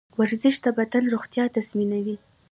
ورزش د بدن روغتیا تضمینوي.